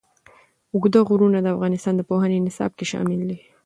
اوږده غرونه د افغانستان د پوهنې نصاب کې شامل دي.